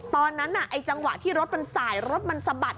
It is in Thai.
ตอนนั้นจังหวะที่รถมันสายรถมันสะบัด